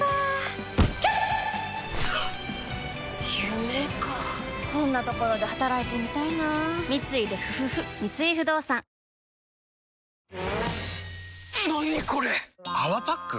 夢かこんなところで働いてみたいな三井不動産何これ⁉「泡パック」？